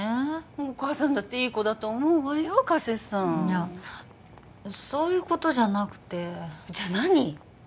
お母さんだっていい子だと思うわよ加瀬さんいやそういうことじゃなくてじゃあ何？